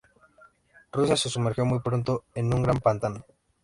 Rusia se sumergió muy pronto en un gran pantano.